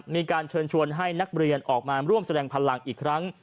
มีการเชิญชวนให้นักเรียนออกมาร่วมแสดงพลังอีกครั้ง